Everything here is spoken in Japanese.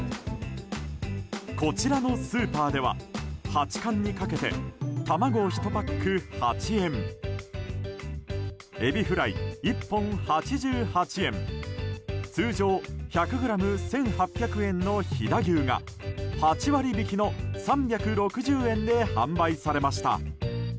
こちらのスーパーでは八冠にかけて卵１パック８円エビフライ１本８８円通常１００ｇ１８００円の飛騨牛が８割引きの３６０円で販売されました。